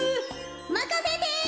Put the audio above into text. まかせて。